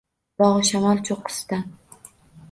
Bogʼishamol choʼqqisidan